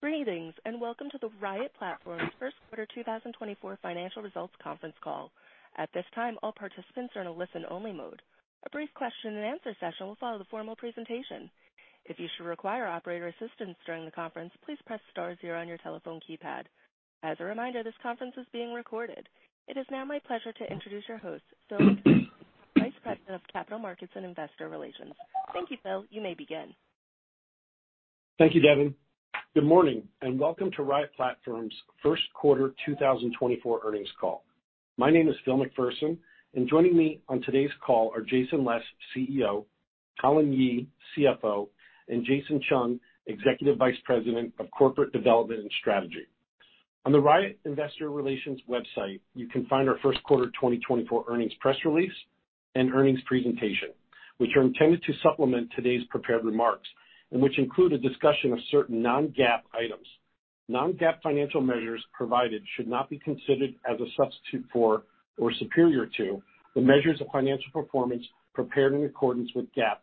Greetings, and welcome to the Riot Platforms first quarter 2024 financial results conference call. At this time, all participants are in a listen-only mode. A brief question and answer session will follow the formal presentation. If you should require operator assistance during the conference, please press star zero on your telephone keypad. As a reminder, this conference is being recorded. It is now my pleasure to introduce your host, Phil McPherson, Vice President of Capital Markets and Investor Relations. Thank you, Phil. You may begin. Thank you, Devin. Good morning, and welcome to Riot Platforms first quarter 2024 earnings call. My name is Phil McPherson, and joining me on today's call are Jason Les, CEO, Colin Yee, CFO, and Jason Chung, Executive Vice President of Corporate Development and Strategy. On the Riot Investor Relations website, you can find our first quarter 2024 earnings press release and earnings presentation, which are intended to supplement today's prepared remarks, and which include a discussion of certain non-GAAP items. Non-GAAP financial measures provided should not be considered as a substitute for or superior to the measures of financial performance prepared in accordance with GAAP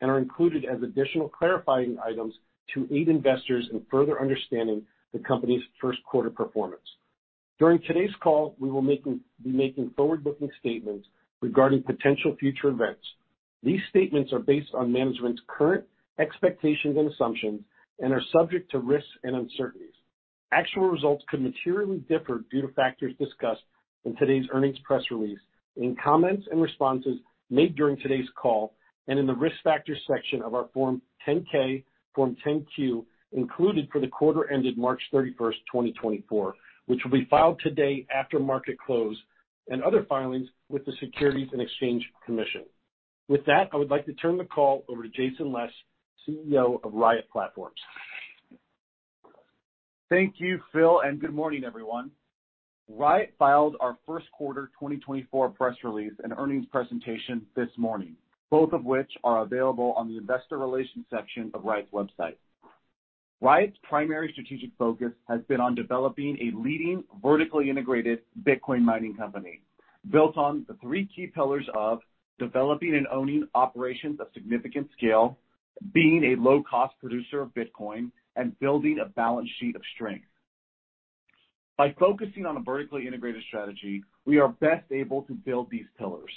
and are included as additional clarifying items to aid investors in further understanding the company's first quarter performance. During today's call, we will be making forward-looking statements regarding potential future events. These statements are based on management's current expectations and assumptions and are subject to risks and uncertainties. Actual results could materially differ due to factors discussed in today's earnings press release, in comments and responses made during today's call, and in the Risk Factors section of our Form 10-K, Form 10-Q, included for the quarter ended March 31st, 2024, which will be filed today after market close, and other filings with the Securities and Exchange Commission. With that, I would like to turn the call over to Jason Les, CEO of Riot Platforms. Thank you, Phil, and good morning, everyone. Riot filed our first quarter 2024 press release and earnings presentation this morning, both of which are available on the Investor Relations section of Riot's website. Riot's primary strategic focus has been on developing a leading, vertically integrated Bitcoin mining company, built on the three key pillars of developing and owning operations of significant scale, being a low-cost producer of Bitcoin, and building a balance sheet of strength. By focusing on a vertically integrated strategy, we are best able to build these pillars.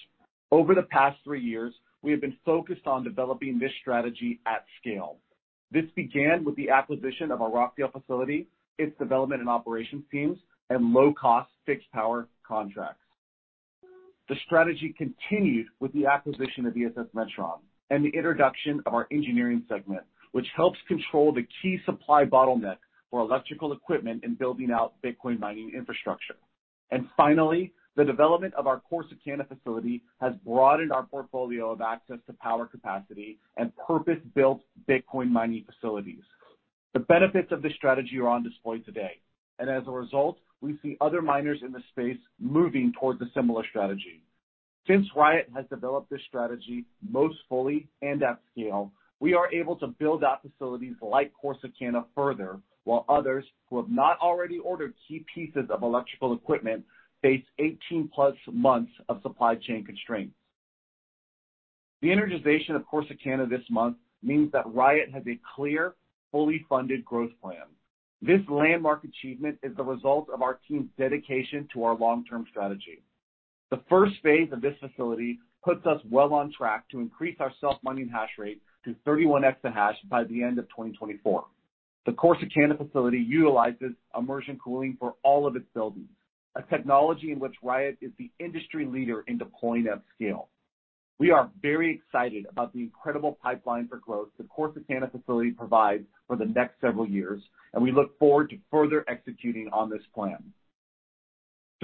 Over the past three years, we have been focused on developing this strategy at scale. This began with the acquisition of our Rockdale facility, its development and operations teams, and low-cost fixed power contracts. The strategy continued with the acquisition of ESS Metron and the introduction of our engineering segment, which helps control the key supply bottleneck for electrical equipment in building out Bitcoin mining infrastructure. And finally, the development of our Corsicana facility has broadened our portfolio of access to power capacity and purpose-built Bitcoin mining facilities. The benefits of this strategy are on display today, and as a result, we see other miners in the space moving towards a similar strategy. Since Riot has developed this strategy most fully and at scale, we are able to build out facilities like Corsicana further, while others who have not already ordered key pieces of electrical equipment face 18+ months of supply chain constraints. The energization of Corsicana this month means that Riot has a clear, fully funded growth plan. This landmark achievement is the result of our team's dedication to our long-term strategy. The first phase of this facility puts us well on track to increase our self-mining hash rate to 31 exahash by the end of 2024. The Corsicana facility utilizes immersion cooling for all of its buildings, a technology in which Riot is the industry leader in deploying at scale. We are very excited about the incredible pipeline for growth the Corsicana facility provides for the next several years, and we look forward to further executing on this plan.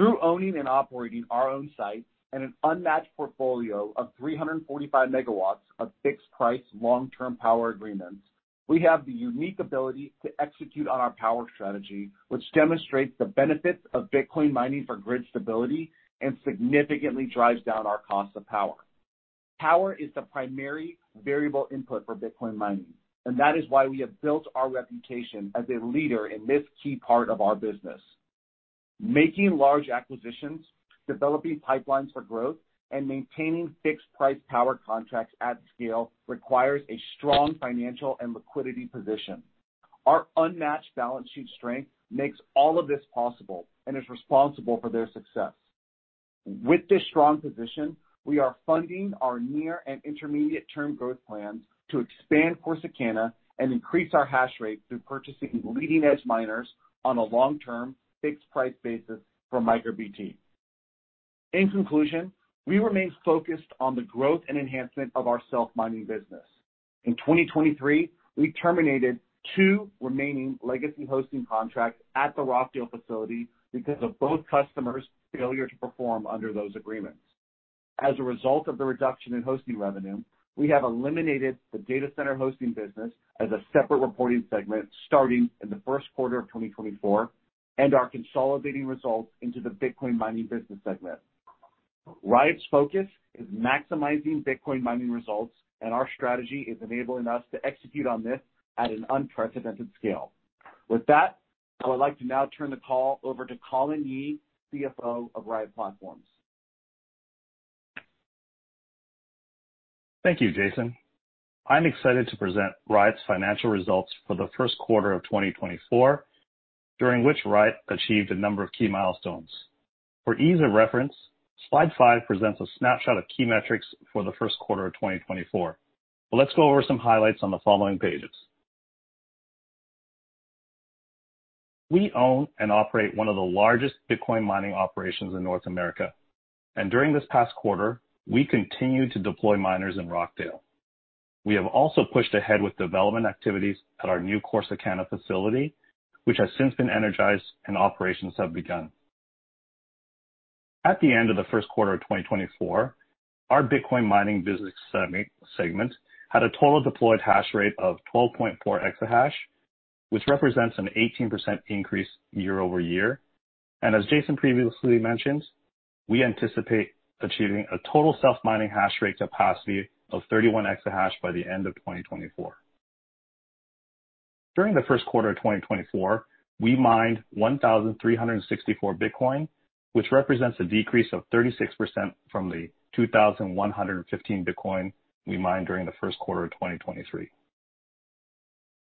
Through owning and operating our own sites and an unmatched portfolio of 345 MW of fixed-price, long-term power agreements, we have the unique ability to execute on our power strategy, which demonstrates the benefits of Bitcoin mining for grid stability and significantly drives down our cost of power. Power is the primary variable input for Bitcoin mining, and that is why we have built our reputation as a leader in this key part of our business. Making large acquisitions, developing pipelines for growth, and maintaining fixed-price power contracts at scale requires a strong financial and liquidity position. Our unmatched balance sheet strength makes all of this possible and is responsible for their success. With this strong position, we are funding our near and intermediate-term growth plans to expand Corsicana and increase our hash rate through purchasing leading-edge miners on a long-term, fixed-price basis from MicroBT. In conclusion, we remain focused on the growth and enhancement of our self-mining business. In 2023, we terminated two remaining legacy hosting contracts at the Rockdale facility because of both customers' failure to perform under those agreements. As a result of the reduction in hosting revenue, we have eliminated the data center hosting business as a separate reporting segment starting in the first quarter of 2024 and are consolidating results into the Bitcoin mining business segment. Riot's focus is maximizing Bitcoin mining results, and our strategy is enabling us to execute on this at an unprecedented scale. With that, I would like to now turn the call over to Colin Yee, CFO of Riot Platforms.... Thank you, Jason. I'm excited to present Riot's financial results for the first quarter of 2024, during which Riot achieved a number of key milestones. For ease of reference, slide 5 presents a snapshot of key metrics for the first quarter of 2024. But let's go over some highlights on the following pages. We own and operate one of the largest Bitcoin mining operations in North America, and during this past quarter, we continued to deploy miners in Rockdale. We have also pushed ahead with development activities at our new Corsicana facility, which has since been energized and operations have begun. At the end of the first quarter of 2024, our Bitcoin mining business segment had a total deployed hash rate of 12.4 exahash, which represents an 18% increase year-over-year. As Jason previously mentioned, we anticipate achieving a total self-mining hash rate capacity of 31 exahash by the end of 2024. During the first quarter of 2024, we mined 1,364 Bitcoin, which represents a decrease of 36% from the 2,115 Bitcoin we mined during the first quarter of 2023.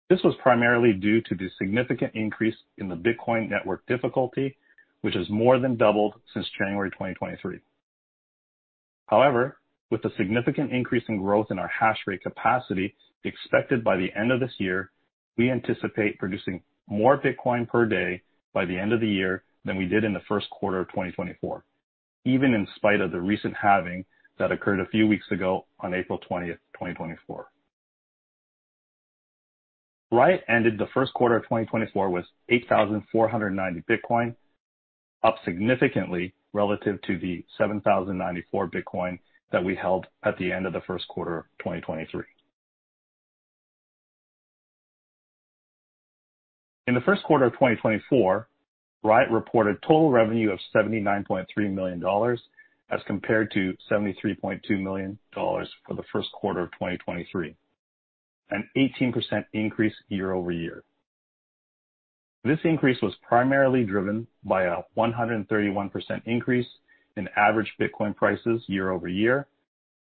This was primarily due to the significant increase in the Bitcoin network difficulty, which has more than doubled since January 2023. However, with the significant increase in growth in our hash rate capacity expected by the end of this year, we anticipate producing more Bitcoin per day by the end of the year than we did in the first quarter of 2024, even in spite of the recent halving that occurred a few weeks ago on April 20th, 2024. Riot ended the first quarter of 2024 with 8,490 Bitcoin, up significantly relative to the 7,094 Bitcoin that we held at the end of the first quarter of 2023. In the first quarter of 2024, Riot reported total revenue of $79.3 million, as compared to $73.2 million for the first quarter of 2023, an 18% increase year-over-year. This increase was primarily driven by a 131% increase in average Bitcoin prices year-over-year,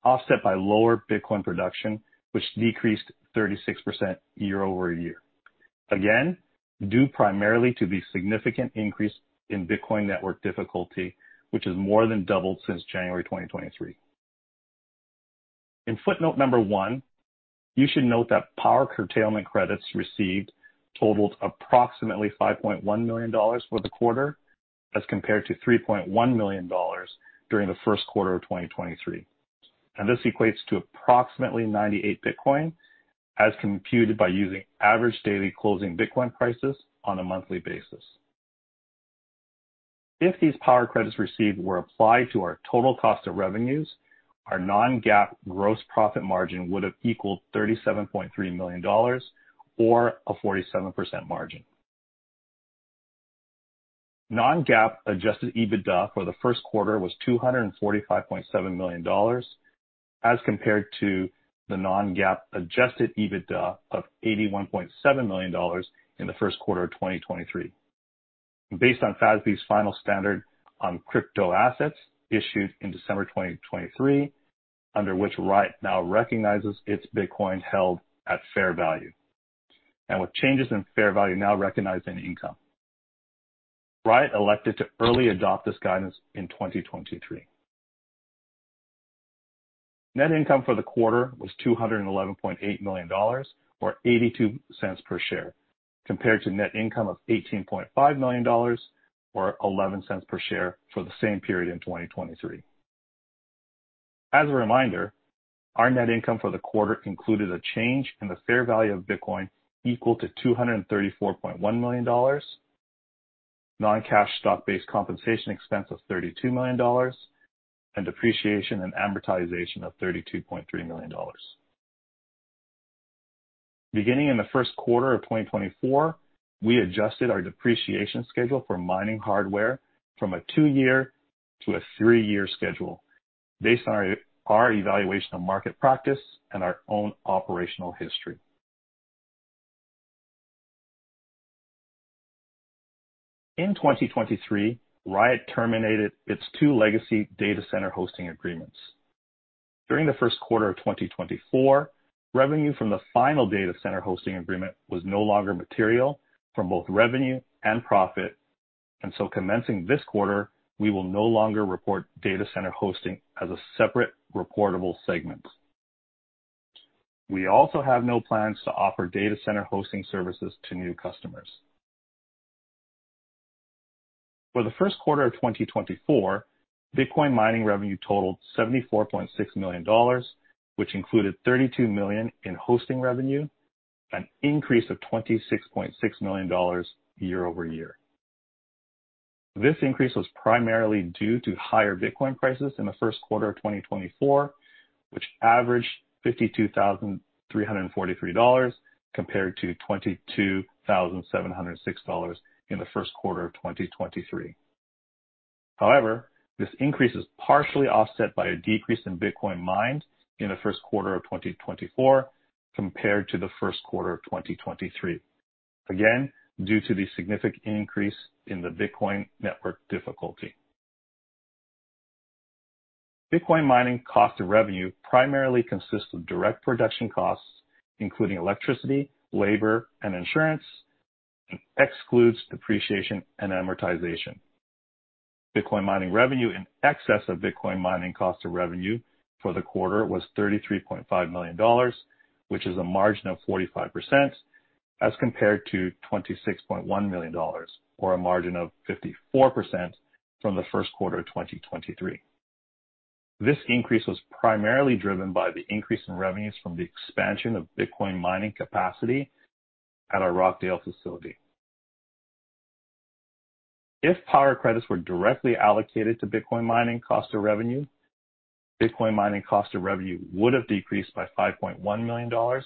offset by lower Bitcoin production, which decreased 36% year-over-year. Again, due primarily to the significant increase in Bitcoin network difficulty, which has more than doubled since January 2023. In footnote 1, you should note that power curtailment credits received totaled approximately $5.1 million for the quarter, as compared to $3.1 million during the first quarter of 2023. And this equates to approximately 98 Bitcoin, as computed by using average daily closing Bitcoin prices on a monthly basis. If these power credits received were applied to our total cost of revenues, our non-GAAP gross profit margin would have equaled $37.3 million, or a 47% margin. Non-GAAP adjusted EBITDA for the first quarter was $245.7 million, as compared to the non-GAAP adjusted EBITDA of $81.7 million in the first quarter of 2023. Based on FASB's final standard on crypto assets issued in December 2023, under which Riot now recognizes its Bitcoin held at fair value, and with changes in fair value now recognized in income. Riot elected to early adopt this guidance in 2023. Net income for the quarter was $211.8 million, or $0.82 per share, compared to net income of $18.5 million, or $0.11 per share, for the same period in 2023. As a reminder, our net income for the quarter included a change in the fair value of Bitcoin equal to $234.1 million, non-cash stock-based compensation expense of $32 million, and depreciation and amortization of $32.3 million. Beginning in the first quarter of 2024, we adjusted our depreciation schedule for mining hardware from a two-year to a three-year schedule based on our evaluation of market practice and our own operational history. In 2023, Riot terminated its two legacy data center hosting agreements. During the first quarter of 2024, revenue from the final data center hosting agreement was no longer material for both revenue and profit, and so commencing this quarter, we will no longer report data center hosting as a separate reportable segment. We also have no plans to offer data center hosting services to new customers. For the first quarter of 2024, Bitcoin mining revenue totaled $74.6 million, which included $32 million in hosting revenue, an increase of $26.6 million year-over-year. This increase was primarily due to higher Bitcoin prices in the first quarter of 2024, which averaged $52,343, compared to $22,706 in the first quarter of 2023. However, this increase is partially offset by a decrease in Bitcoin mined in the first quarter of 2024, compared to the first quarter of 2023, again due to the significant increase in the Bitcoin network difficulty. Bitcoin mining cost of revenue primarily consists of direct production costs, including electricity, labor, and insurance, and excludes depreciation and amortization. Bitcoin mining revenue in excess of Bitcoin mining cost of revenue for the quarter was $33.5 million, which is a margin of 45%, as compared to $26.1 million, or a margin of 54% from the first quarter of 2023. This increase was primarily driven by the increase in revenues from the expansion of Bitcoin mining capacity at our Rockdale facility. If power credits were directly allocated to Bitcoin mining cost of revenue, Bitcoin mining cost of revenue would have decreased by $5.1 million,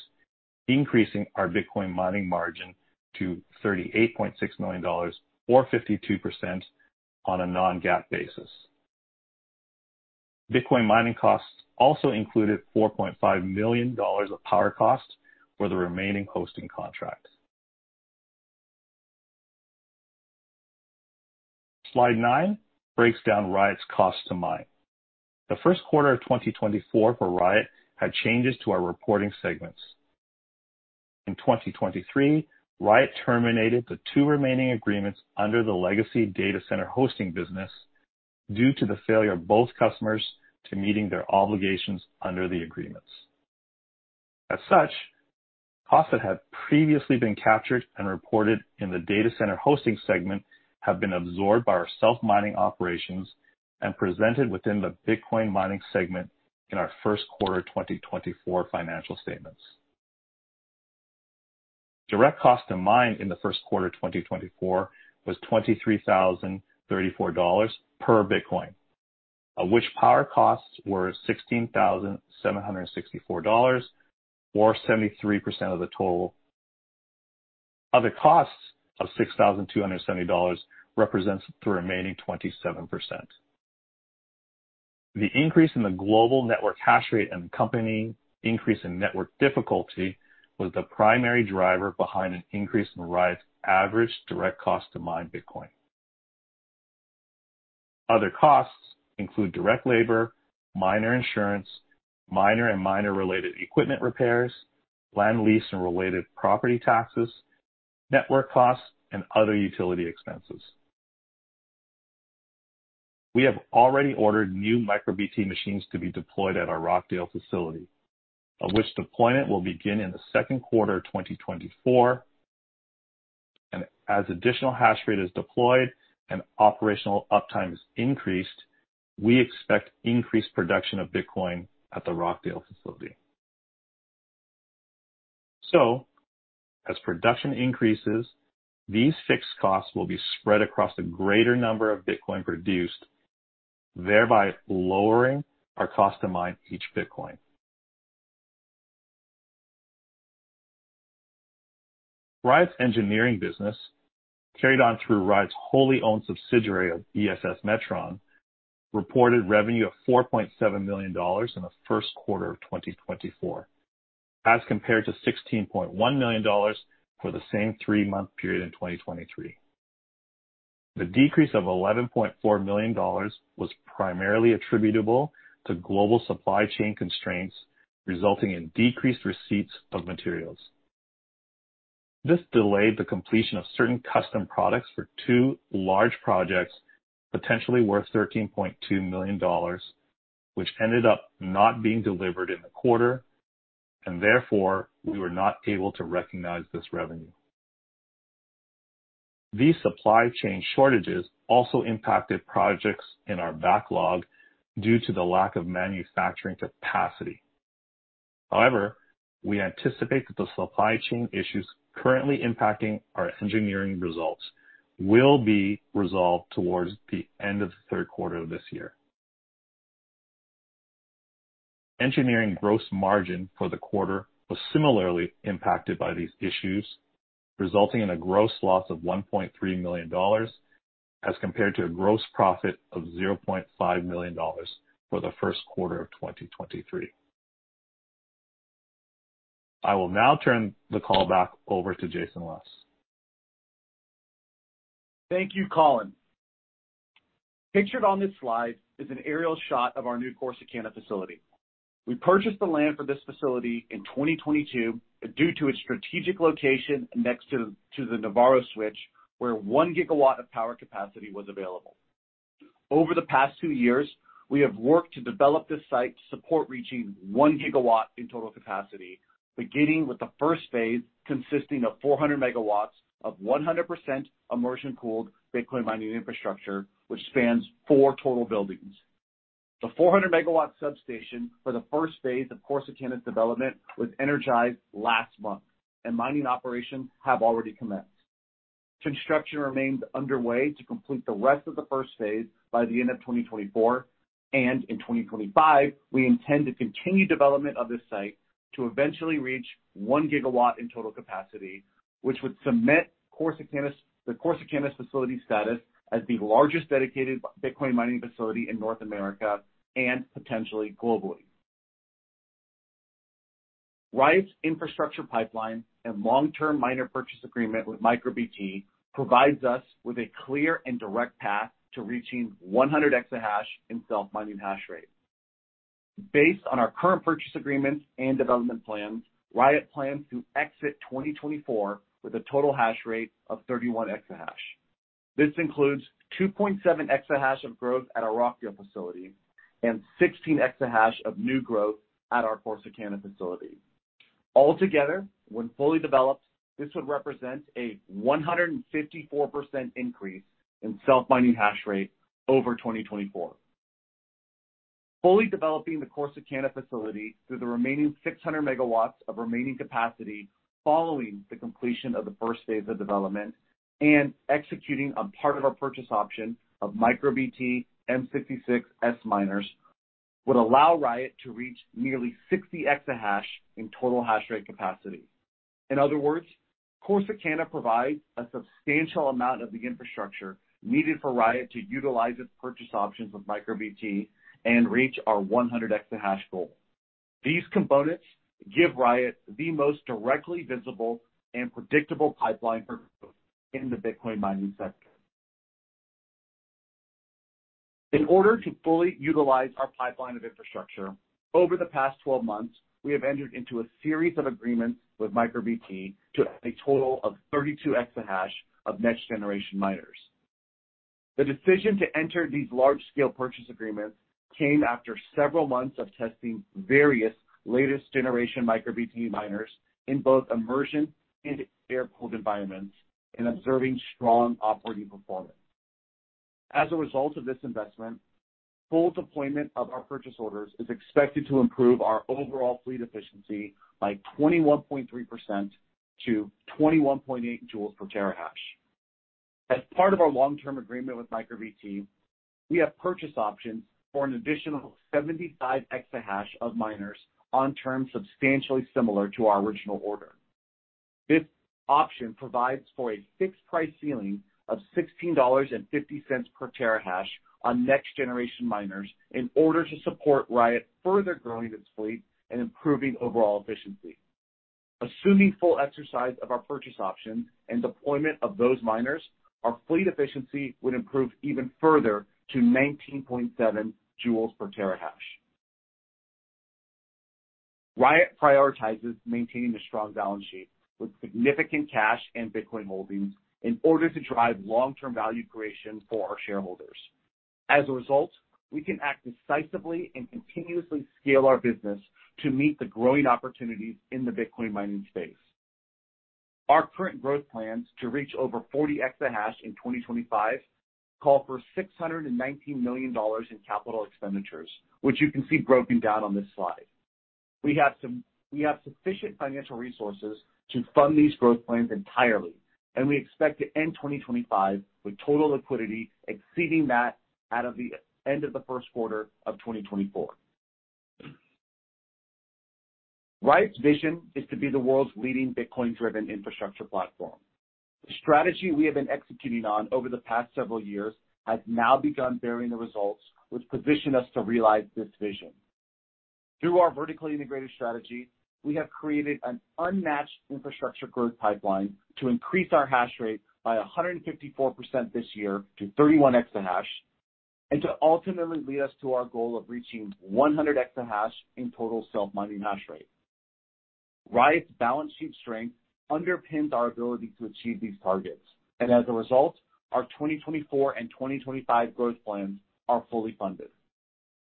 increasing our Bitcoin mining margin to $38.6 million, or 52% on a non-GAAP basis. Bitcoin mining costs also included $4.5 million of power costs for the remaining hosting contracts. Slide 9 breaks down Riot's cost to mine. The first quarter of 2024 for Riot had changes to our reporting segments. In 2023, Riot terminated the two remaining agreements under the legacy data center hosting business due to the failure of both customers to meeting their obligations under the agreements. As such, costs that had previously been captured and reported in the data center hosting segment have been absorbed by our self-mining operations and presented within the Bitcoin mining segment in our first quarter 2024 financial statements. Direct cost to mine in the first quarter of 2024 was $23,034 per Bitcoin, of which power costs were $16,764, or 73% of the total. Other costs of $6,270 represents the remaining 27%. The increase in the global network hash rate and accompanying increase in network difficulty was the primary driver behind an increase in Riot's average direct cost to mine Bitcoin. Other costs include direct labor, miner insurance, miner and miner-related equipment repairs, land lease and related property taxes, network costs, and other utility expenses. We have already ordered new MicroBT machines to be deployed at our Rockdale facility, of which deployment will begin in the second quarter of 2024. As additional hash rate is deployed and operational uptime is increased, we expect increased production of Bitcoin at the Rockdale facility. As production increases, these fixed costs will be spread across a greater number of Bitcoin produced, thereby lowering our cost to mine each Bitcoin. Riot's engineering business, carried on through Riot's wholly owned subsidiary of ESS Metron, reported revenue of $4.7 million in the first quarter of 2024, as compared to $16.1 million for the same three-month period in 2023. The decrease of $11.4 million was primarily attributable to global supply chain constraints, resulting in decreased receipts of materials. This delayed the completion of certain custom products for two large projects, potentially worth $13.2 million, which ended up not being delivered in the quarter, and therefore, we were not able to recognize this revenue. These supply chain shortages also impacted projects in our backlog due to the lack of manufacturing capacity. However, we anticipate that the supply chain issues currently impacting our engineering results will be resolved towards the end of the third quarter of this year. Engineering gross margin for the quarter was similarly impacted by these issues, resulting in a gross loss of $1.3 million, as compared to a gross profit of $0.5 million for the first quarter of 2023. I will now turn the call back over to Jason Les. Thank you, Colin. Pictured on this slide is an aerial shot of our new Corsicana facility. We purchased the land for this facility in 2022 due to its strategic location next to the Navarro Switch, where 1 gigawatt of power capacity was available. Over the past two years, we have worked to develop this site to support reaching 1 gigawatt in total capacity, beginning with the first phase consisting of 400 MW of 100% immersion-cooled Bitcoin mining infrastructure, which spans 4 total buildings. The 400 MW substation for the first phase of Corsicana's development was energized last month, and mining operations have already commenced. Construction remains underway to complete the rest of the first phase by the end of 2024, and in 2025, we intend to continue development of this site to eventually reach one gigawatt in total capacity, which would cement Corsicana's – the Corsicana facility's status as the largest dedicated Bitcoin mining facility in North America and potentially globally. Riot's infrastructure pipeline and long-term miner purchase agreement with MicroBT provides us with a clear and direct path to reaching 100 exahash in self-mining hash rate. Based on our current purchase agreements and development plans, Riot plans to exit 2024 with a total hash rate of 31 exahash. This includes 2.7 exahash of growth at our Rockdale facility and 16 exahash of new growth at our Corsicana facility. Altogether, when fully developed, this would represent a 154% increase in self-mining hash rate over 2024. Fully developing the Corsicana facility through the remaining 600 MW of remaining capacity following the completion of the first phase of development and executing on part of our purchase option of MicroBT M66S miners, would allow Riot to reach nearly 60 exahash in total hash rate capacity. In other words, Corsicana provides a substantial amount of the infrastructure needed for Riot to utilize its purchase options with MicroBT and reach our 100 exahash goal. These components give Riot the most directly visible and predictable pipeline for growth in the Bitcoin mining sector. In order to fully utilize our pipeline of infrastructure, over the past 12 months, we have entered into a series of agreements with MicroBT to a total of 32 exahash of next-generation miners. The decision to enter these large-scale purchase agreements came after several months of testing various latest generation MicroBT miners in both immersion and air-cooled environments and observing strong operating performance. As a result of this investment, full deployment of our purchase orders is expected to improve our overall fleet efficiency by 21.3% to 21.8 joules per terahash. As part of our long-term agreement with MicroBT, we have purchase options for an additional 75 exahash of miners on terms substantially similar to our original order. This option provides for a fixed price ceiling of $16.50 per terahash on next-generation miners in order to support Riot further growing its fleet and improving overall efficiency. Assuming full exercise of our purchase option and deployment of those miners, our fleet efficiency would improve even further to 19.7 joules per terahash. Riot prioritizes maintaining a strong balance sheet with significant cash and Bitcoin holdings in order to drive long-term value creation for our shareholders. As a result, we can act decisively and continuously scale our business to meet the growing opportunities in the Bitcoin mining space. Our current growth plans to reach over 40 exahash in 2025 call for $619 million in capital expenditures, which you can see broken down on this slide. We have sufficient financial resources to fund these growth plans entirely, and we expect to end 2025 with total liquidity exceeding that out of the end of the first quarter of 2024. Riot's vision is to be the world's leading Bitcoin-driven infrastructure platform. The strategy we have been executing on over the past several years has now begun bearing the results, which position us to realize this vision. Through our vertically integrated strategy, we have created an unmatched infrastructure growth pipeline to increase our hash rate by 154% this year to 31 exahash, and to ultimately lead us to our goal of reaching 100 exahash in total self-mining hash rate. Riot's balance sheet strength underpins our ability to achieve these targets, and as a result, our 2024 and 2025 growth plans are fully funded.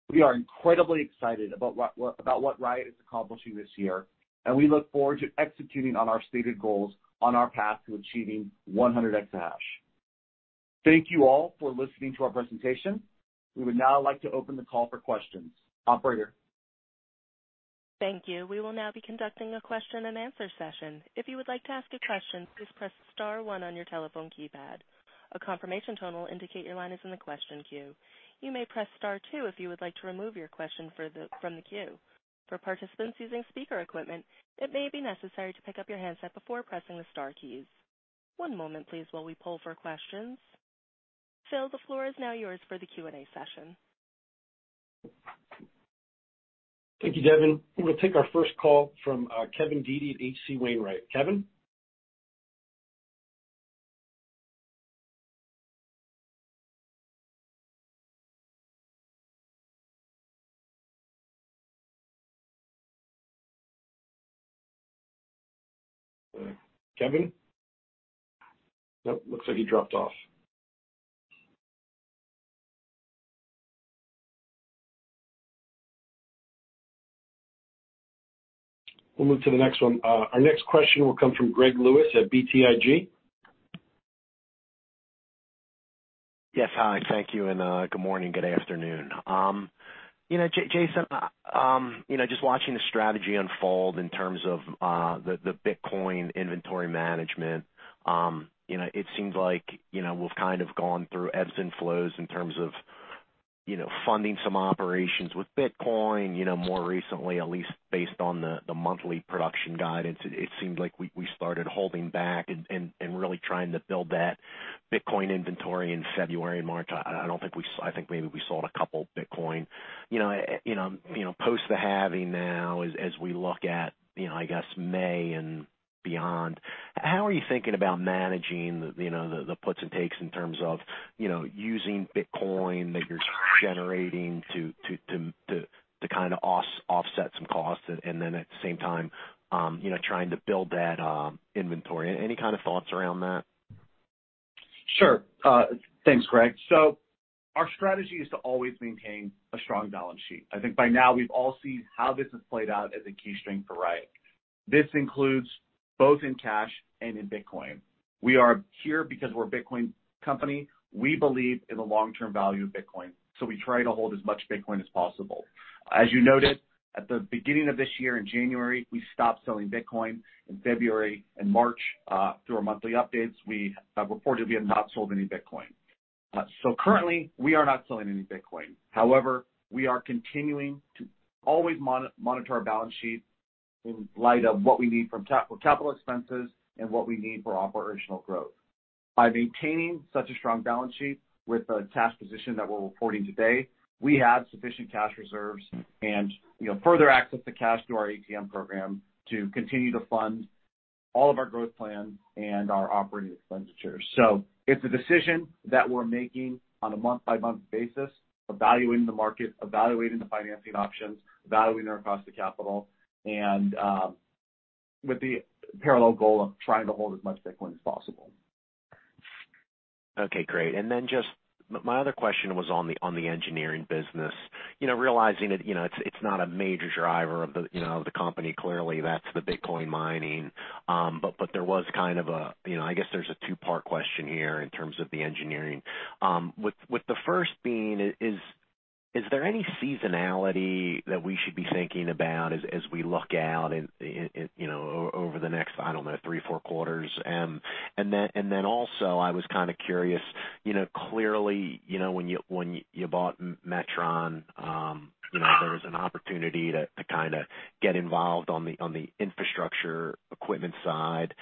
We are incredibly excited about what Riot is accomplishing this year, and we look forward to executing on our stated goals on our path to achieving 100 exahash. Thank you all for listening to our presentation. We would now like to open the call for questions. Operator? Thank you. We will now be conducting a question-and-answer session. If you would like to ask a question, please press star one on your telephone keypad. A confirmation tone will indicate your line is in the question queue. You may press star two if you would like to remove your question from the queue. For participants using speaker equipment, it may be necessary to pick up your handset before pressing the star keys. One moment please, while we poll for questions. Phil, the floor is now yours for the Q&A session. Thank you, Devin. We're going to take our first call from Kevin Dede at H.C. Wainwright. Kevin? Kevin? Nope, looks like he dropped off. We'll move to the next one. Our next question will come from Greg Lewis at BTIG. Yes. Hi, thank you, and good morning, good afternoon. You know, Jason, you know, just watching the strategy unfold in terms of the Bitcoin inventory management, you know, it seems like, you know, we've kind of gone through ebbs and flows in terms of you know, funding some operations with Bitcoin, you know, more recently, at least based on the monthly production guidance, it seemed like we started holding back and really trying to build that Bitcoin inventory in February and March. I don't think we-- I think maybe we sold a couple Bitcoin. You know, you know, you know, post the halving now as we look at, you know, I guess, May and beyond, how are you thinking about managing the, you know, the puts and takes in terms of, you know, using Bitcoin that you're generating to kind of offset some costs, and then at the same time, you know, trying to build that inventory? Any kind of thoughts around that? Sure. Thanks, Greg. So our strategy is to always maintain a strong balance sheet. I think by now we've all seen how this has played out as a key strength for Riot. This includes both in cash and in Bitcoin. We are here because we're a Bitcoin company. We believe in the long-term value of Bitcoin, so we try to hold as much Bitcoin as possible. As you noted, at the beginning of this year, in January, we stopped selling Bitcoin. In February and March, through our monthly updates, we reportedly have not sold any Bitcoin. So currently, we are not selling any Bitcoin. However, we are continuing to always monitor our balance sheet in light of what we need from capital expenses and what we need for operational growth. By maintaining such a strong balance sheet with the cash position that we're reporting today, we have sufficient cash reserves and, you know, further access to cash through our ATM program to continue to fund all of our growth plans and our operating expenditures. So it's a decision that we're making on a month-by-month basis, evaluating the market, evaluating the financing options, evaluating our cost of capital, and with the parallel goal of trying to hold as much Bitcoin as possible. Okay, great. And then just my other question was on the engineering business. You know, realizing that, you know, it's not a major driver of the, you know, the company. Clearly, that's the Bitcoin mining. But there was kind of a... You know, I guess there's a two-part question here in terms of the engineering. With the first being is there any seasonality that we should be thinking about as we look out in, you know, over the next, I don't know, three, four quarters? And then also, I was kind of curious, you know, clearly, you know, when you bought Metron, you know, there was an opportunity to kind of get involved on the infrastructure equipment side.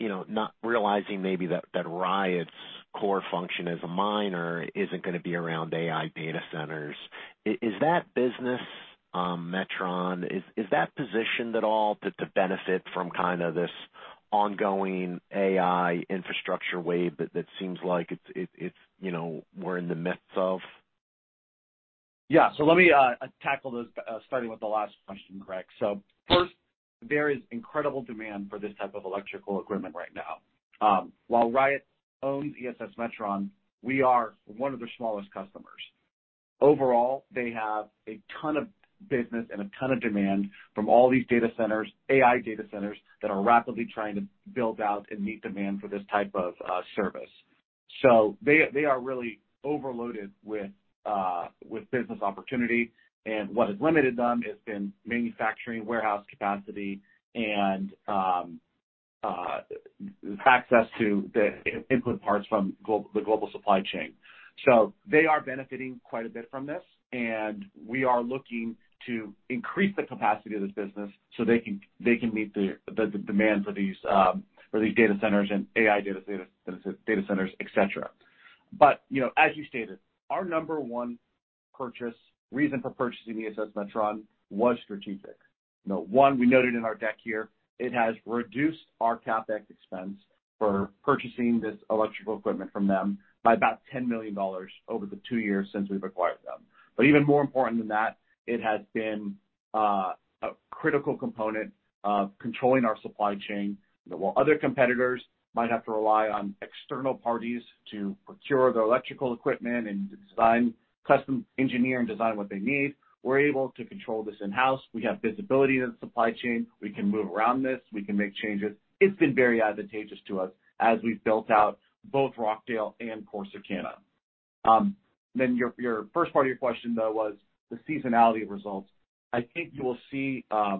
You know, not realizing maybe that Riot's core function as a miner isn't gonna be around AI data centers. Is that business, Metron, positioned at all to benefit from kind of this ongoing AI infrastructure wave that seems like it's, you know, we're in the midst of? Yeah. So let me tackle this, starting with the last question, Greg. So first, there is incredible demand for this type of electrical equipment right now. While Riot owns ESS Metron, we are one of their smallest customers. Overall, they have a ton of business and a ton of demand from all these data centers, AI data centers, that are rapidly trying to build out and meet demand for this type of service. So they are really overloaded with business opportunity, and what has limited them has been manufacturing, warehouse capacity, and access to the input parts from the global supply chain. So they are benefiting quite a bit from this, and we are looking to increase the capacity of this business so they can meet the demand for these data centers and AI data centers, data centers, et cetera. But, you know, as you stated, our number one purchase reason for purchasing ESS Metron was strategic. You know, one, we noted in our deck here, it has reduced our CapEx expense for purchasing this electrical equipment from them by about $10 million over the two years since we've acquired them. But even more important than that, it has been a critical component of controlling our supply chain. While other competitors might have to rely on external parties to procure their electrical equipment and to design, custom engineer and design what they need, we're able to control this in-house. We have visibility in the supply chain. We can move around this. We can make changes. It's been very advantageous to us as we've built out both Rockdale and Corsicana. Then your first part of your question, though, was the seasonality of results. I think you will see a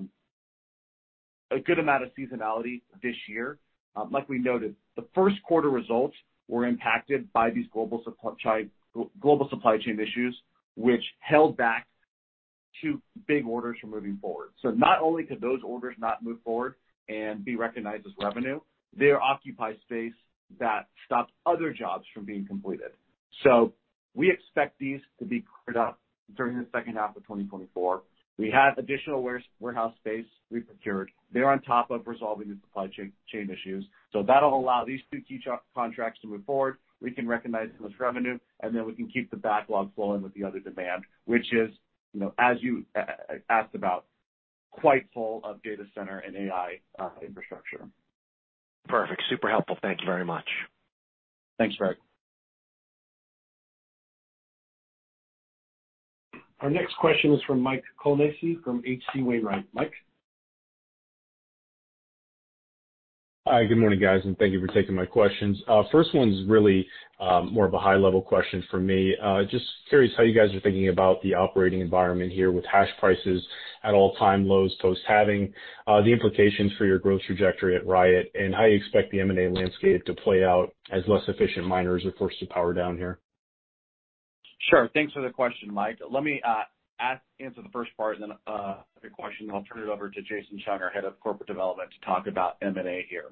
good amount of seasonality this year. Like we noted, the first quarter results were impacted by these global supply chain issues, which held back two big orders from moving forward. So not only could those orders not move forward and be recognized as revenue, they occupy space that stops other jobs from being completed. So we expect these to be cleared up during the second half of 2024. We have additional warehouse space we've procured. They're on top of resolving the supply chain issues. So that'll allow these two key contracts to move forward. We can recognize them as revenue, and then we can keep the backlog flowing with the other demand, which is, you know, as you asked about, quite full of data center and AI infrastructure. Perfect. Super helpful. Thank you very much. Thanks, Greg. Our next question is from Mike Colonnese from H.C. Wainwright. Mike? Hi, good morning, guys, and thank you for taking my questions. First one's really more of a high-level question for me. Just curious how you guys are thinking about the operating environment here with hash prices at all-time lows post-halving, the implications for your growth trajectory at Riot, and how you expect the M&A landscape to play out as less efficient miners are forced to power down here?... Sure. Thanks for the question, Mike. Let me answer the first part, and then the question, and I'll turn it over to Jason Chung, our Head of Corporate Development, to talk about M&A here.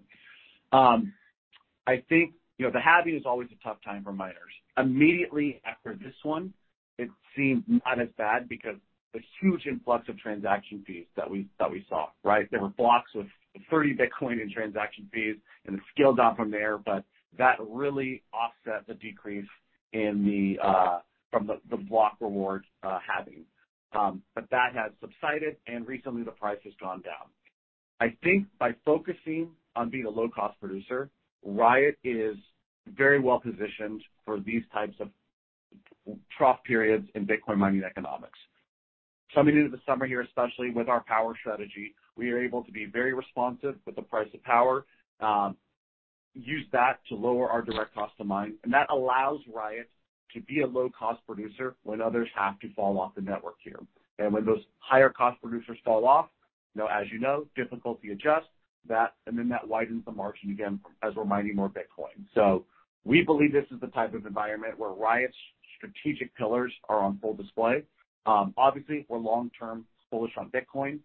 I think, you know, the halving is always a tough time for miners. Immediately after this one, it seemed not as bad because the huge influx of transaction fees that we saw, right? There were blocks with 30 Bitcoin in transaction fees, and it scaled down from there, but that really offset the decrease from the block reward halving. But that has subsided, and recently the price has gone down. I think by focusing on being a low-cost producer, Riot is very well positioned for these types of trough periods in Bitcoin mining economics. Coming into the summer here, especially with our power strategy, we are able to be very responsive with the price of power, use that to lower our direct cost to mine, and that allows Riot to be a low-cost producer when others have to fall off the network here. When those higher cost producers fall off, you know, as you know, difficulty adjusts, that and then that widens the margin again as we're mining more Bitcoin. So we believe this is the type of environment where Riot's strategic pillars are on full display. Obviously, we're long-term bullish on Bitcoin.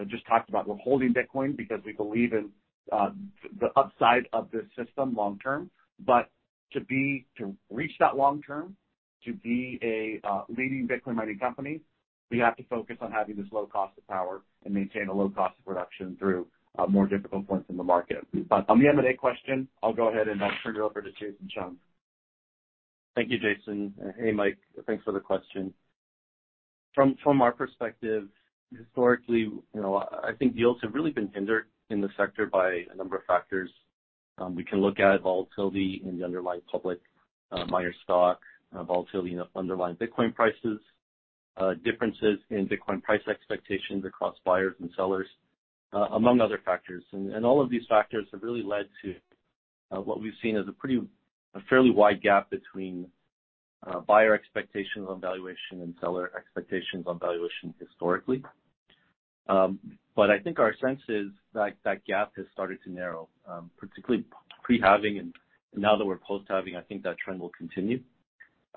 I just talked about we're holding Bitcoin because we believe in the upside of this system long term. But to reach that long term, to be a leading Bitcoin mining company, we have to focus on having this low cost of power and maintain a low cost of production through more difficult points in the market. But on the M&A question, I'll go ahead and I'll turn it over to Jason Chung. Thank you, Jason. Hey, Mike, thanks for the question. From our perspective, historically, you know, I think yields have really been hindered in the sector by a number of factors. We can look at volatility in the underlying public miner stock, volatility in underlying Bitcoin prices, differences in Bitcoin price expectations across buyers and sellers, among other factors. And all of these factors have really led to what we've seen as a fairly wide gap between buyer expectations on valuation and seller expectations on valuation historically. But I think our sense is that that gap has started to narrow, particularly pre-halving, and now that we're post-halving, I think that trend will continue.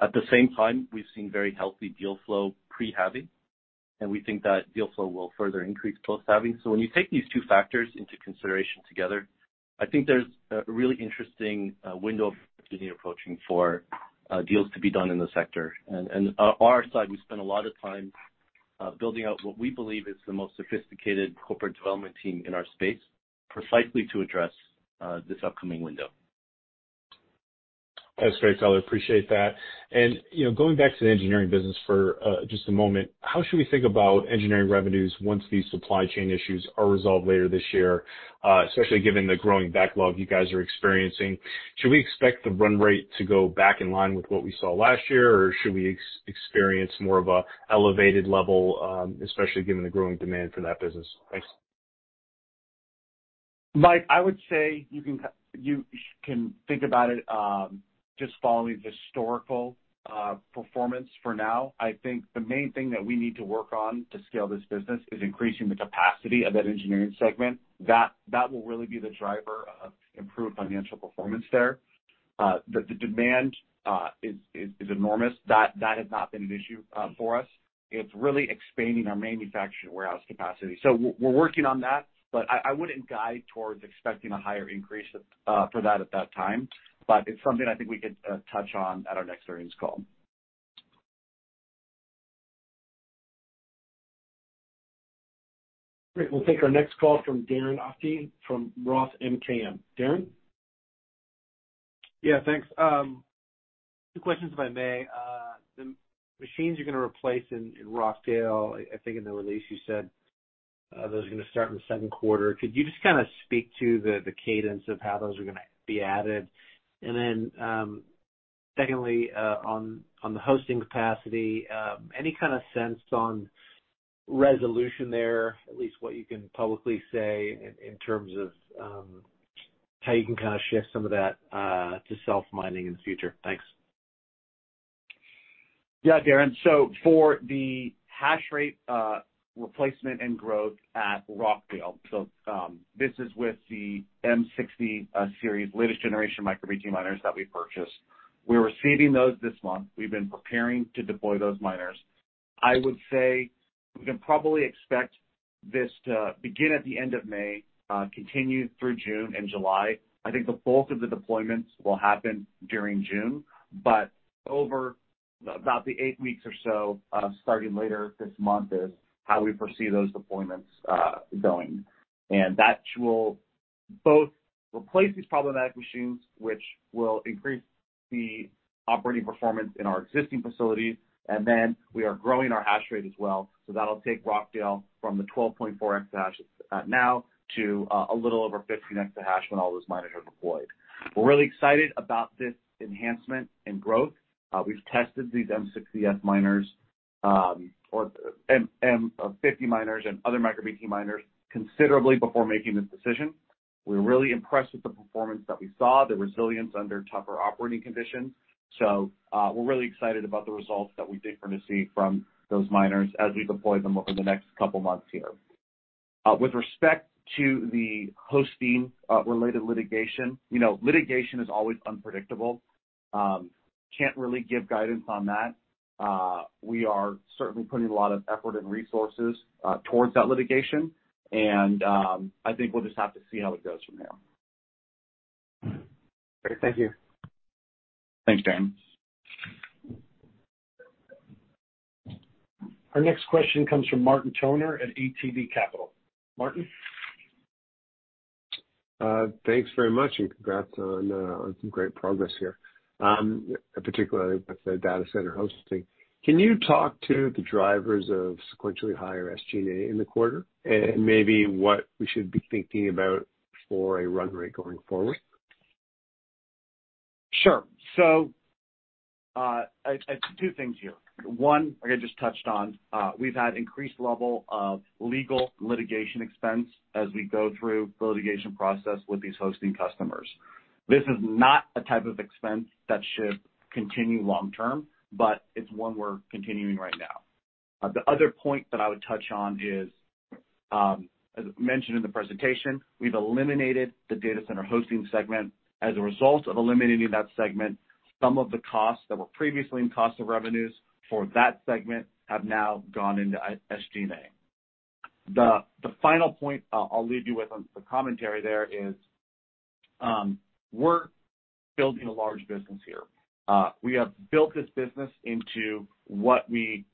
At the same time, we've seen very healthy deal flow pre-halving, and we think that deal flow will further increase post-halving. So when you take these two factors into consideration together, I think there's a really interesting window of opportunity approaching for deals to be done in the sector. And on our side, we spent a lot of time building out what we believe is the most sophisticated corporate development team in our space, precisely to address this upcoming window. That's great, fellas. I appreciate that. You know, going back to the engineering business for just a moment, how should we think about engineering revenues once these supply chain issues are resolved later this year, especially given the growing backlog you guys are experiencing? Should we expect the run rate to go back in line with what we saw last year, or should we experience more of an elevated level, especially given the growing demand for that business? Thanks. Mike, I would say you can think about it just following the historical performance for now. I think the main thing that we need to work on to scale this business is increasing the capacity of that engineering segment. That will really be the driver of improved financial performance there. The demand is enormous. That has not been an issue for us. It's really expanding our manufacturing warehouse capacity. So we're working on that, but I wouldn't guide towards expecting a higher increase, for that, at that time, but it's something I think we could touch on at our next earnings call. Great. We'll take our next call from Darren Aftahi from Roth MKM. Darren? Yeah, thanks. Two questions, if I may. The machines you're going to replace in Rockdale, I think in the release you said those are going to start in the second quarter. Could you just kind of speak to the cadence of how those are gonna be added? And then, secondly, on the hosting capacity, any kind of sense on resolution there, at least what you can publicly say in terms of how you can kind of shift some of that to self-mining in the future? Thanks. Yeah, Darren. For the hash rate replacement and growth at Rockdale, this is with the M60 series, latest generation MicroBT miners that we purchased. We're receiving those this month. We've been preparing to deploy those miners. I would say we can probably expect this to begin at the end of May, continue through June and July. I think the bulk of the deployments will happen during June, but over about the 8 weeks or so, starting later this month, is how we foresee those deployments going. And that will both replace these problematic machines, which will increase the operating performance in our existing facilities, and then we are growing our hash rate as well. So that'll take Rockdale from the 12.4 exahash now to a little over 15 exahash when all those miners are deployed. We're really excited about this enhancement and growth. We've tested these M60S miners, or M50 miners and other MicroBT miners considerably before making this decision. We're really impressed with the performance that we saw, the resilience under tougher operating conditions. So, we're really excited about the results that we think we're going to see from those miners as we deploy them over the next couple of months here. With respect to the hosting related litigation, you know, litigation is always unpredictable. Can't really give guidance on that. We are certainly putting a lot of effort and resources towards that litigation, and I think we'll just have to see how it goes from here. Great. Thank you. Thanks, Darren. Our next question comes from Martin Toner at ATB Capital. Martin? Thanks very much, and congrats on some great progress here, particularly with the data center hosting. Can you talk to the drivers of sequentially higher SG&A in the quarter, and maybe what we should be thinking about for a run rate going forward? Sure. So, two things here. One, I just touched on, we've had increased level of legal litigation expense as we go through the litigation process with these hosting customers. This is not a type of expense that should continue long term, but it's one we're continuing right now. The other point that I would touch on is, as mentioned in the presentation, we've eliminated the data center hosting segment. As a result of eliminating that segment, some of the costs that were previously in cost of revenues for that segment have now gone into SG&A. The final point I'll leave you with on the commentary there is, we're building a large business here. We have built this business into what we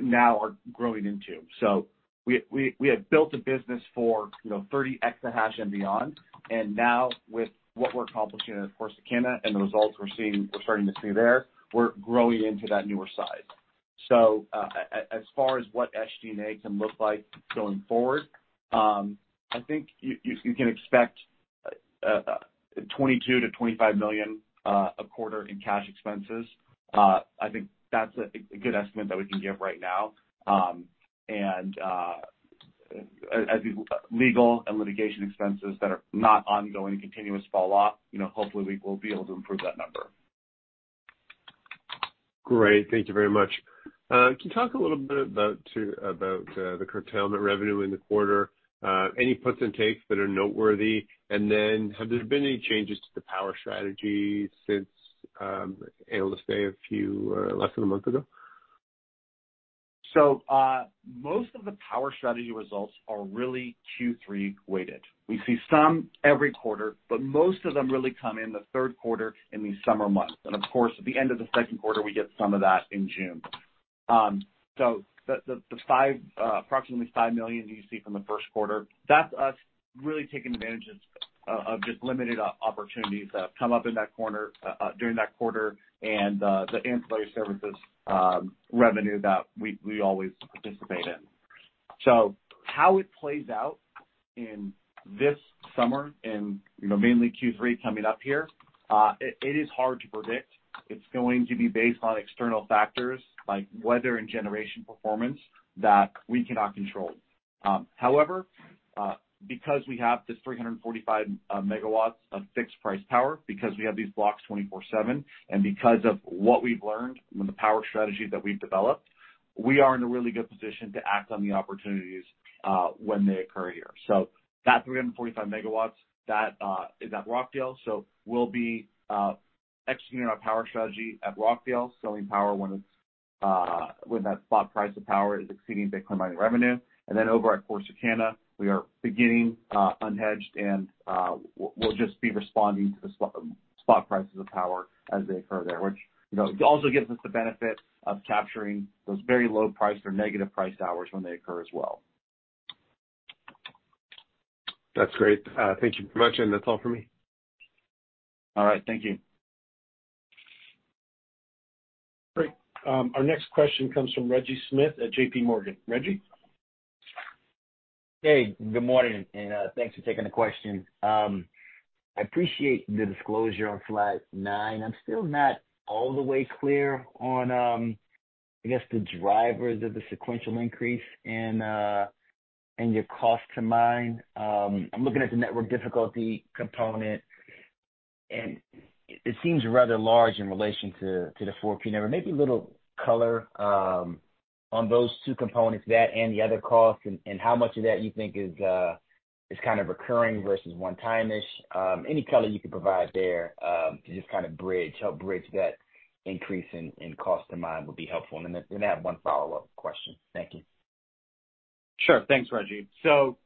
now are growing into. So we have built a business for, you know, 30 exahash and beyond. And now with what we're accomplishing at Corsicana and the results we're seeing, we're starting to see there, we're growing into that newer size. So, as far as what SG&A can look like going forward, I think you can expect $22 miilion-$25 million a quarter in cash expenses. I think that's a good estimate that we can give right now. And as legal and litigation expenses that are not ongoing, continuous fall off, you know, hopefully, we will be able to improve that number. Great. Thank you very much. Can you talk a little bit about about the curtailment revenue in the quarter? Any puts and takes that are noteworthy? And then, have there been any changes to the power strategy since able to say a few less than a month ago? So, most of the power strategy results are really Q3 weighted. We see some every quarter, but most of them really come in the third quarter in the summer months. And of course, at the end of the second quarter, we get some of that in June. So the approximately $5 million you see from the first quarter, that's us really taking advantage of just limited opportunities that have come up in that quarter during that quarter and the ancillary services revenue that we always participate in. So how it plays out in this summer and, you know, mainly Q3 coming up here, it is hard to predict. It's going to be based on external factors like weather and generation performance that we cannot control. However, because we have this 345 MW of fixed price power, because we have these blocks 24/7, and because of what we've learned from the power strategy that we've developed, we are in a really good position to act on the opportunities when they occur here. So that 345 MW, that is at Rockdale. So we'll be executing our power strategy at Rockdale, selling power when it's when that spot price of power is exceeding Bitcoin mining revenue. And then over at Corsicana, we are beginning unhedged, and we'll just be responding to the spot prices of power as they occur there, which, you know, also gives us the benefit of capturing those very low priced or negative priced hours when they occur as well. That's great. Thank you very much, and that's all for me. All right. Thank you. Great. Our next question comes from Reggie Smith at J.P. Morgan. Reggie? Hey, good morning, and thanks for taking the question. I appreciate the disclosure on slide 9. I'm still not all the way clear on, I guess, the drivers of the sequential increase in your cost to mine. I'm looking at the network difficulty component, and it seems rather large in relation to the 4P number. Maybe a little color on those two components, that and the other costs, and how much of that you think is kind of recurring versus one-timish. Any color you can provide there to just kind of bridge, help bridge that increase in cost to mine would be helpful. And then I have one follow-up question. Thank you. Sure. Thanks, Reggie. So,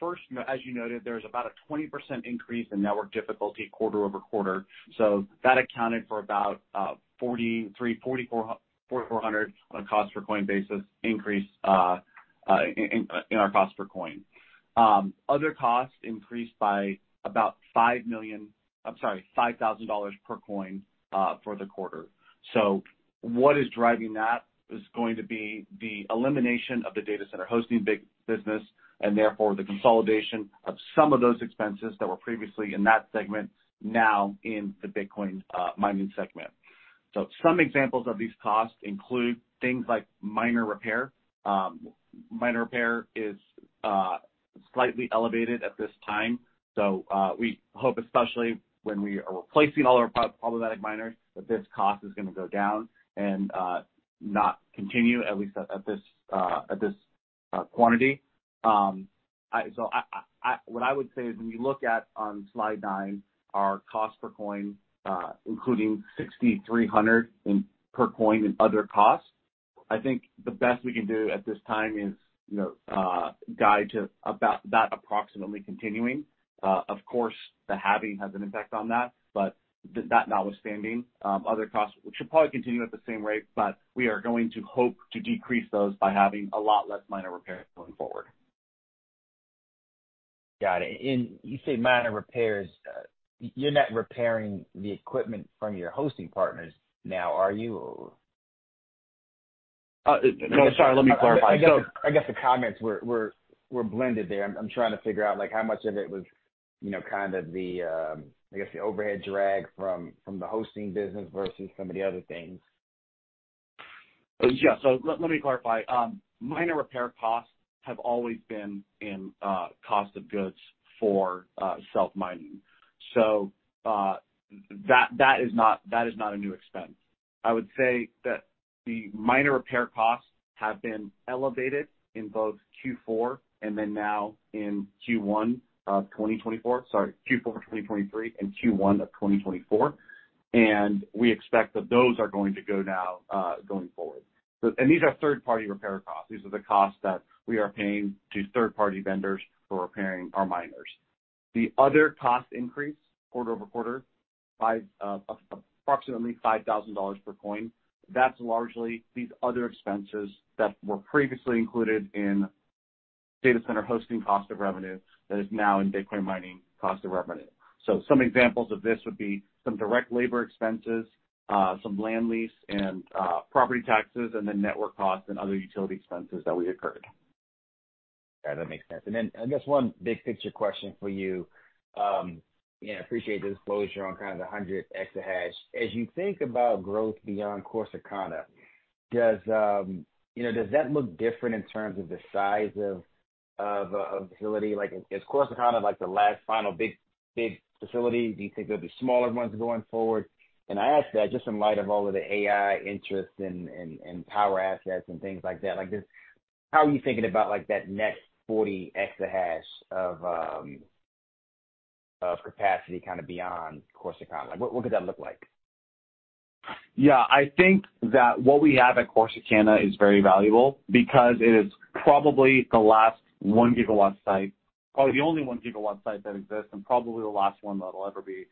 first, as you noted, there was about a 20% increase in network difficulty quarter-over-quarter. So that accounted for about $4,300-$4,400 on a cost per coin basis increase in our cost per coin. Other costs increased by about $5 million... I'm sorry, $5,000 per coin for the quarter. So what is driving that is going to be the elimination of the data center hosting big business, and therefore the consolidation of some of those expenses that were previously in that segment now in the Bitcoin mining segment. So some examples of these costs include things like miner repair. Miner repair is slightly elevated at this time. So, we hope, especially when we are replacing all our problematic miners, that this cost is going to go down and, not continue, at least at this quantity. So I, what I would say is when you look at on slide 9, our cost per coin, including $6,300 per coin in other costs, I think the best we can do at this time is, you know, guide to about that approximately continuing. Of course, the halving has an impact on that, but that notwithstanding, other costs, which should probably continue at the same rate, but we are going to hope to decrease those by having a lot less minor repairs going forward. Got it. And you say minor repairs. You're not repairing the equipment from your hosting partners now, are you? No, sorry, let me clarify. I guess the comments were blended there. I'm trying to figure out, like, how much of it was, you know, kind of the, I guess, the overhead drag from the hosting business versus some of the other things. Yeah. So let me clarify. Minor repair costs have always been in cost of goods for self-mining. So that is not a new expense. I would say that the minor repair costs have been elevated in both Q4 and then now in Q1 of 2024. Sorry, Q4 2023 and Q1 of 2024. And we expect that those are going to go now going forward. So and these are third-party repair costs. These are the costs that we are paying to third-party vendors for repairing our miners. The other cost increase, quarter-over-quarter, by approximately $5,000 per coin. That's largely these other expenses that were previously included in data center hosting cost of revenue that is now in Bitcoin mining cost of revenue. Some examples of this would be some direct labor expenses, some land lease and property taxes, and then network costs and other utility expenses that we incurred. Yeah, that makes sense. And then I guess one big-picture question for you. And I appreciate the disclosure on kind of the 100 exahash. As you think about growth beyond Corsicana, does, you know, does that look different in terms of the size of, of a facility? Like, is Corsicana like the last final big, big facility? Do you think there'll be smaller ones going forward? And I ask that just in light of all of the AI interest in, in, in power assets and things like that. Like, just how are you thinking about, like, that next 40 exahash of, of capacity kind of beyond Corsicana? Like, what, what could that look like? Yeah. I think that what we have at Corsicana is very valuable because it is probably the last 1 gigawatt site, probably the only 1 gigawatt site that exists and probably the last one that'll ever be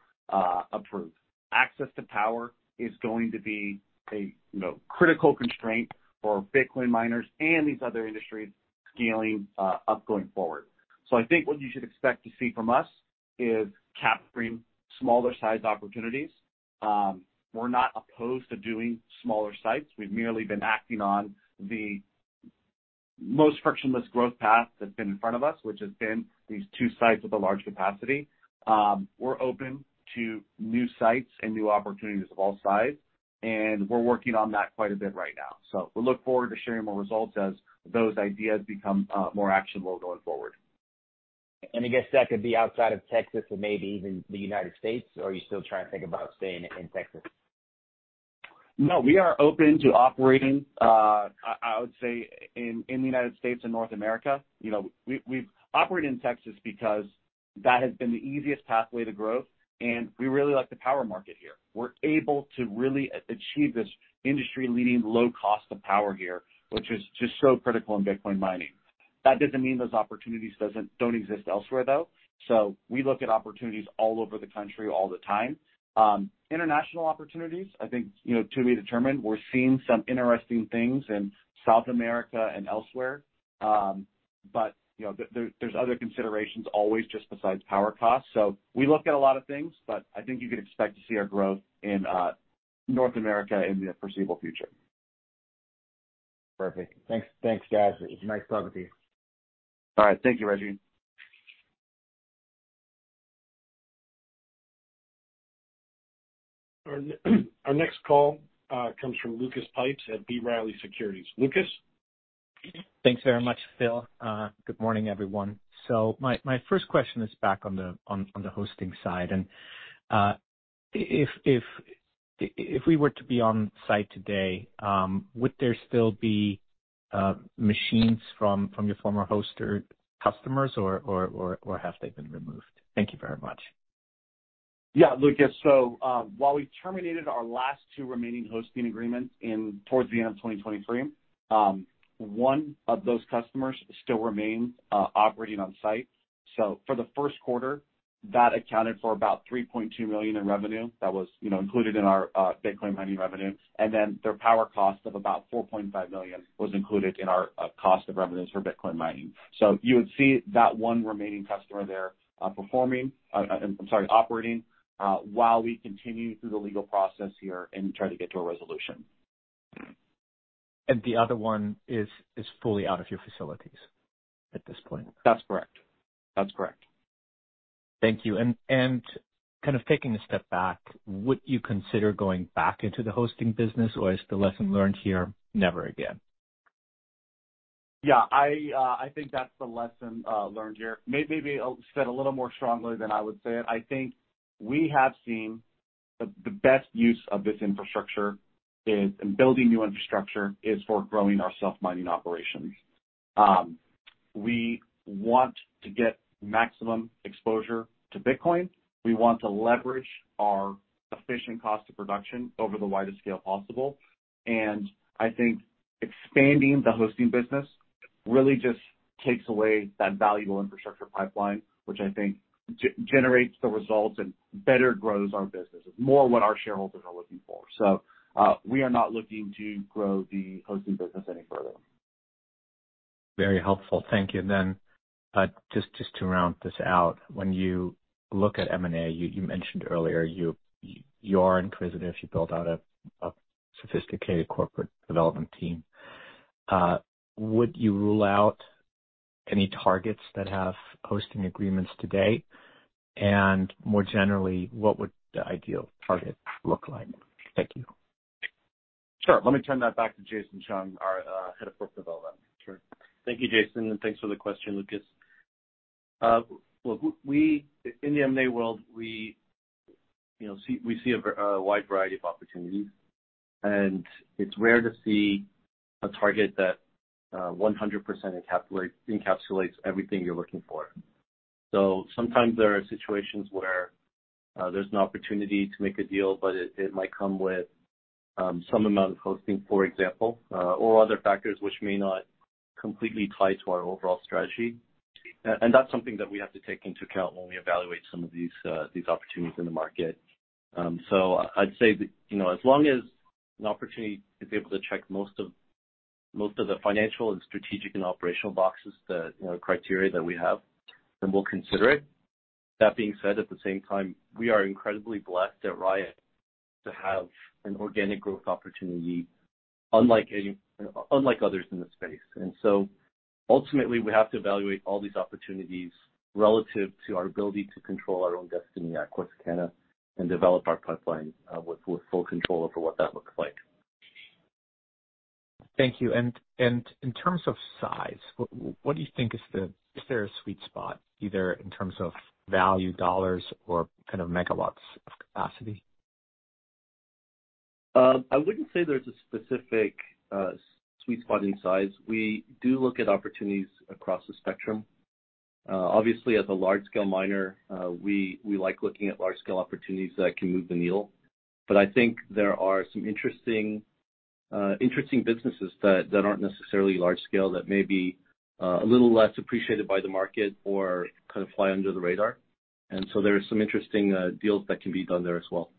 approved. Access to power is going to be a, you know, critical constraint for Bitcoin miners and these other industries scaling up going forward. So I think what you should expect to see from us is capturing smaller sized opportunities. We're not opposed to doing smaller sites. We've merely been acting on the most frictionless growth path that's been in front of us, which has been these two sites with a large capacity. We're open to new sites and new opportunities of all sizes, and we're working on that quite a bit right now. So we look forward to sharing more results as those ideas become more actionable going forward. I guess that could be outside of Texas or maybe even the United States, or are you still trying to think about staying in Texas? No, we are open to operating. I would say in the United States and North America. You know, we've operated in Texas because that has been the easiest pathway to growth, and we really like the power market here. We're able to really achieve this industry-leading low cost of power here, which is just so critical in Bitcoin mining. That doesn't mean those opportunities don't exist elsewhere, though. So we look at opportunities all over the country all the time. International opportunities, I think, you know, to be determined. We're seeing some interesting things in South America and elsewhere. But, you know, there's other considerations always just besides power costs. So we look at a lot of things, but I think you can expect to see our growth in North America in the foreseeable future. Perfect. Thanks. Thanks, guys. It's nice talking with you. All right. Thank you, Reggie. Our next call comes from Lucas Pipes at B. Riley Securities. Lucas? Thanks very much, Phil. Good morning, everyone. So my first question is back on the hosting side, and if we were to be on site today, would there still be machines from your former hoster customers, or have they been removed? Thank you very much. Yeah, Lucas. So, while we terminated our last two remaining hosting agreements in towards the end of 2023, one of those customers still remains operating on site. So for the first quarter, that accounted for about $3.2 million in revenue. That was, you know, included in our Bitcoin mining revenue. And then their power cost of about $4.5 million was included in our cost of revenues for Bitcoin mining. So you would see that one remaining customer there operating while we continue through the legal process here and try to get to a resolution. The other one is fully out of your facilities at this point? That's correct. That's correct. Thank you. And kind of taking a step back, would you consider going back into the hosting business, or is the lesson learned here, never again? Yeah, I think that's the lesson learned here. Maybe said a little more strongly than I would say it. I think we have seen the best use of this infrastructure is, and building new infrastructure, is for growing our self-mining operations. We want to get maximum exposure to Bitcoin. We want to leverage our efficient cost of production over the widest scale possible. And I think expanding the hosting business really just takes away that valuable infrastructure pipeline, which I think generates the results and better grows our business. It's more what our shareholders are looking for. So, we are not looking to grow the hosting business any further. Very helpful. Thank you. Then, just to round this out, when you look at M&A, you mentioned earlier you are inquisitive. You built out a sophisticated corporate development team. Would you rule out any targets that have hosting agreements today? And more generally, what would the ideal target look like? Thank you. Sure. Let me turn that back to Jason Chung, our Head of Corporate Development. Sure. Thank you, Jason, and thanks for the question, Lucas. Well, we in the M&A world, we, you know, see a wide variety of opportunities, and it's rare to see a target that 100% encapsulates everything you're looking for. So sometimes there are situations where there's an opportunity to make a deal, but it might come with some amount of hosting, for example, or other factors which may not completely tie to our overall strategy. And that's something that we have to take into account when we evaluate some of these opportunities in the market. So I'd say that, you know, as long as an opportunity is able to check most of most of the financial and strategic and operational boxes, the, you know, criteria that we have, then we'll consider it. That being said, at the same time, we are incredibly blessed at Riot to have an organic growth opportunity, unlike any, unlike others in the space. And so ultimately, we have to evaluate all these opportunities relative to our ability to control our own destiny at Corsicana and develop our pipeline, with full control over what that looks like. Thank you. And in terms of size, what do you think is the... Is there a sweet spot, either in terms of value dollars or kind of megawatts of capacity? I wouldn't say there's a specific sweet spot in size. We do look at opportunities across the spectrum. Obviously, as a large-scale miner, we like looking at large-scale opportunities that can move the needle. But I think there are some interesting businesses that aren't necessarily large scale, that may be a little less appreciated by the market or kind of fly under the radar. And so there are some interesting deals that can be done there as well.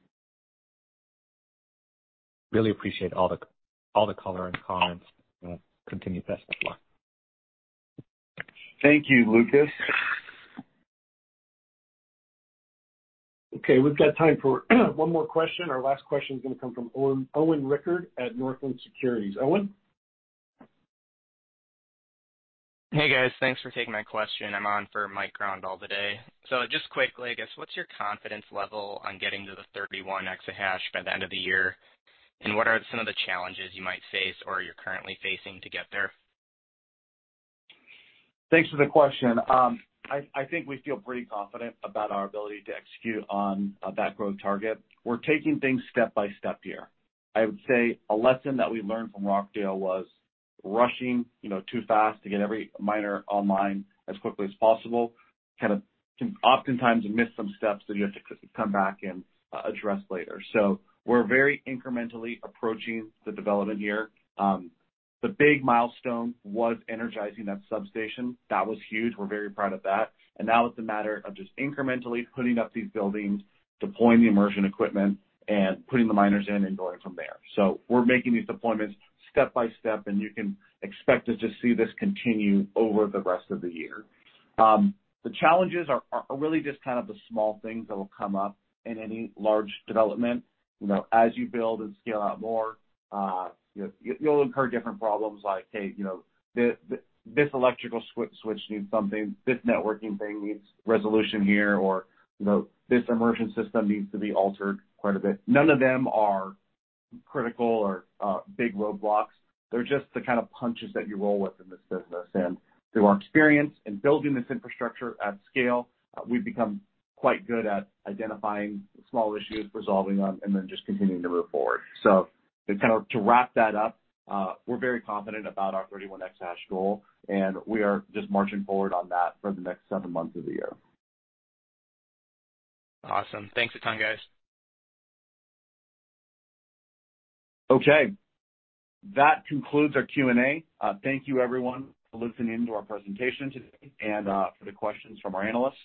Really appreciate all the color and comments. Continued best of luck. Thank you, Lucas. Okay, we've got time for one more question. Our last question is going to come from Owen, Owen Rickard at Northland Securities. Owen? Hey, guys. Thanks for taking my question. I'm on for Mike Grondahl today. So just quickly, I guess, what's your confidence level on getting to the 31 exahash by the end of the year? And what are some of the challenges you might face or you're currently facing to get there? Thanks for the question. I think we feel pretty confident about our ability to execute on that growth target. We're taking things step by step here. I would say a lesson that we learned from Rockdale was rushing, you know, too fast to get every miner online as quickly as possible, kind of can oftentimes miss some steps that you have to come back and address later. So we're very incrementally approaching the development here. The big milestone was energizing that substation. That was huge. We're very proud of that. And now it's a matter of just incrementally putting up these buildings, deploying the immersion equipment, and putting the miners in and going from there. So we're making these deployments step by step, and you can expect us to see this continue over the rest of the year. The challenges are really just kind of the small things that will come up in any large development. You know, as you build and scale out more, you'll incur different problems like, hey, you know, the this electrical switch needs something, this networking thing needs resolution here, or, you know, this immersion system needs to be altered quite a bit. None of them are critical or big roadblocks. They're just the kind of punches that you roll with in this business. Through our experience in building this infrastructure at scale, we've become quite good at identifying small issues, resolving them, and then just continuing to move forward. So kind of to wrap that up, we're very confident about our 31 exahash goal, and we are just marching forward on that for the next 7 months of the year. Awesome. Thanks a ton, guys. Okay. That concludes our Q&A. Thank you, everyone, for listening in to our presentation today and for the questions from our analysts.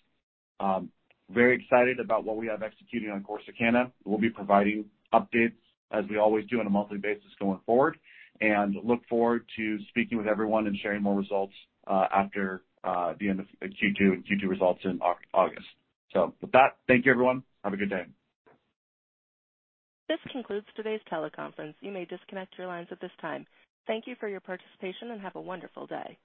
Very excited about what we have executing on Corsicana. We'll be providing updates, as we always do, on a monthly basis going forward, and look forward to speaking with everyone and sharing more results after the end of Q2 and Q2 results in August. So with that, thank you, everyone. Have a good day. This concludes today's teleconference. You may disconnect your lines at this time. Thank you for your participation, and have a wonderful day.